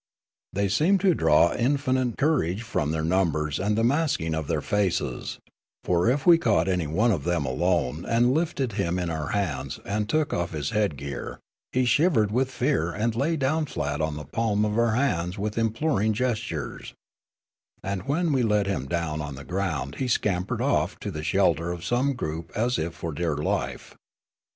They seemed to draw infinite courage from their numbers and the masking of their faces; for if we caught an)' one of them alone and lifted him in our hands and took off his head gear, he shivered with fear and lay down flat on the palm of our hands with imploring gestures; and when we let him down on the ground he scampered off to the shelter of some group as if for dear life.